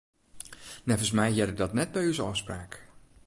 Neffens my hearde dat net by ús ôfspraak.